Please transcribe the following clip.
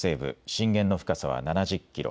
震源の深さは７０ｋｍ。